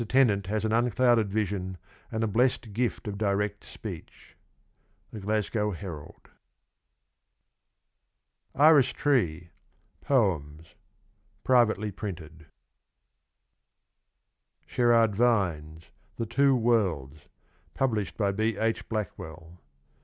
Tennant has an unclouded vision and a blessed gift of direct speech. — The Glasgow Herald. Iris Tree. POEMS. Privately printed. Sherard Vines. THE TWO WORLDS. Published by B. H. Blackwell.